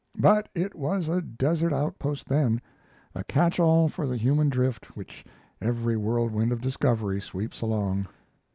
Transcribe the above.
But it was a desert outpost then, a catch all for the human drift which every whirlwind of discovery sweeps along.